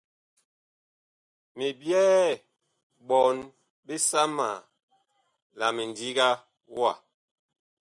Mi byɛɛ ɓɔɔn bisama la mindiga wa.